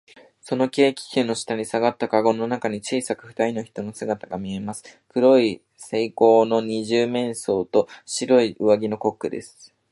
その軽気球の下にさがったかごの中に、小さくふたりの人の姿がみえます。黒い背広の二十面相と、白い上着のコックです。